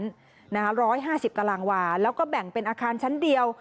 ๑๕๐ตารางวาแล้วก็แบ่งเป็นอาคารชั้นเดียว